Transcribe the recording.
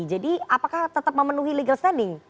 jadi apakah tetap memenuhi legal standing